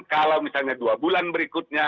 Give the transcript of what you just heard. kalau misalnya dua bulan berikutnya